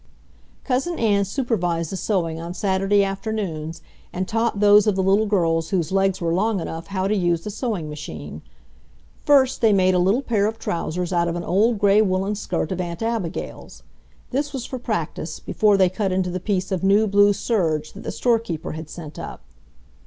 Cousin Ann supervised the sewing on Saturday afternoons and taught those of the little girls whose legs were long enough how to use the sewing machine. First they made a little pair of trousers out of an old gray woolen skirt of Aunt Abigail's. This was for practice, before they cut into the piece of new blue serge that the storekeeper had sent up.